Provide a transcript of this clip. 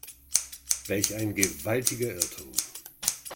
Welch ein gewaltiger Irrtum!